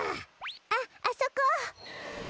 あっあそこ！